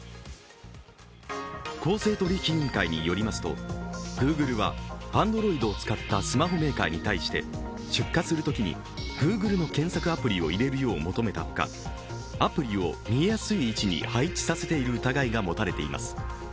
公正取引委員会によりますと、Ｇｏｏｇｌｅはアンドロイドを使ったスマホメーカーに対して出荷するときにＧｏｏｇｌｅの検索アプリを入れるよう求めたほかアプリを見えやすい位置に配置させている疑いが持たれています。